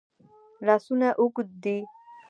لاسونه اوږد دي.